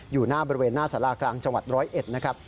อยู่หน้าบริเวณหน้าสารากลางจังหวัด๑๐๑นะครับ